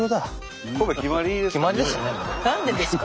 何でですか？